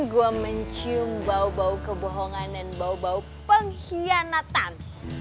gua mencium bau bau kebohongan dan bau bau pengkhianatan